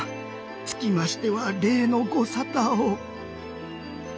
つきましては例のご沙汰を。